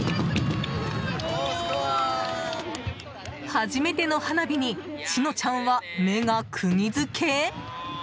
初めての花火に詩乃ちゃんは目が釘付け。